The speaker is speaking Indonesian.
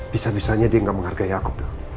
bisa bisanya dia nggak menghargai aku